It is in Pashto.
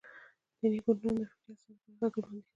دیني ګوندونه د فکري اساساتو پر اساس ډلبندي کړو.